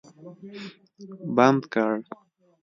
بند کړ